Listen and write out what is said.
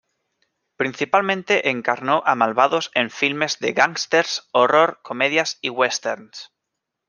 Principalmente encarnó a malvados en filmes de gángsters, horror, comedias y westerns.